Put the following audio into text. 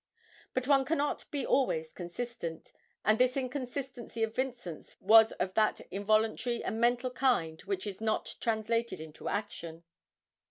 But one cannot be always consistent, and this inconsistency of Vincent's was of that involuntary and mental kind which is not translated into action.